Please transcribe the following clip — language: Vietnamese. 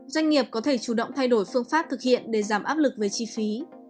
doanh nghiệp có thể chủ động thay đổi phương pháp thực hiện để giảm áp lực về chi phí